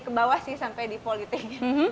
kebawah sih sampai defaulting